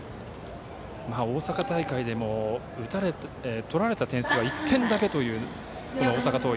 大阪大会でも取られた点数は１点だけという大阪桐蔭。